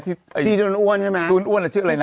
ไอ้ที่โดนอ้วนใช่ไหมรูนอ้วนชื่ออะไรนะ